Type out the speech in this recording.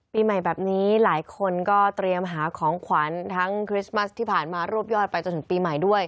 ปีใหม่แบบนี้หลายคนก็เตรียมหาของขวัญทั้งคริสต์มัสที่ผ่านมารวบยอดไปจนถึงปีใหม่ด้วย